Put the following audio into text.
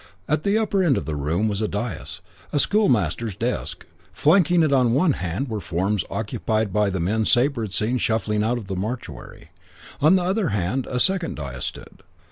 At the upper end of the room was a dais, a schoolmaster's desk. Flanking it on one hand were forms occupied by the men Sabre had seen shuffling out of the mortuary. On the other hand a second dais stood.